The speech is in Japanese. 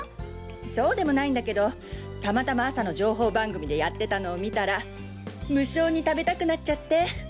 そうでもないんだけどたまたま朝の情報番組でやってたのを見たら無性に食べたくなっちゃって。